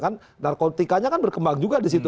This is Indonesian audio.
kan narkotikanya kan berkembang juga di situ